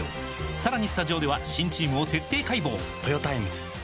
さらにスタジオでは新チームを徹底解剖！